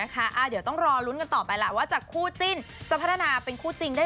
ก็ต้องรอดูไปเรื่อยค่ะว่า